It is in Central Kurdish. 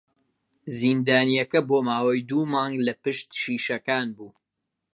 زیندانییەکە بۆ ماوەی دوو مانگ لە پشت شیشەکان بوو.